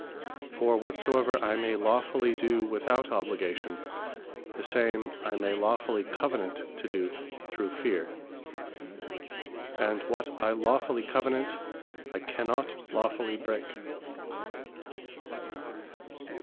For whatsoever I may lawfully do without Obligation, the same I may lawfully Covenant to do through feare: and what I lawfully Covenant, I cannot lawfully break.